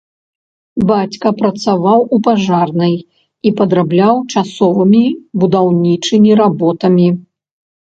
Бацька працаваў у пажарнай і падрабляў часовымі будаўнічымі работамі.